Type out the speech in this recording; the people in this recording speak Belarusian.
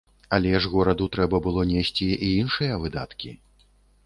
Але ж гораду трэба было несці і іншыя выдаткі.